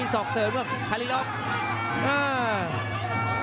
มีสอกเสริมว่างทายลอฟเอ้อ